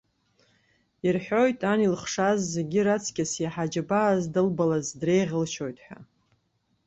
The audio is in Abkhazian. Ирҳәоит, ан илыхшаз зегь раҵкыс иаҳа аџьабаа здылбалаз дреиӷьалшьоит ҳәа.